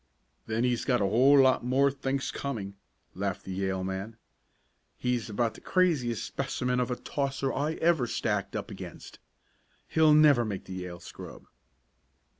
"Then he's got a whole lot more thinks coming!" laughed the Yale man. "He's about the craziest specimen of a tosser I ever stacked up against. He'll never make the Yale scrub!"